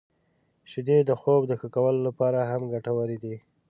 • شیدې د خوب د ښه کولو لپاره هم ګټورې دي.